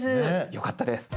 よかったです。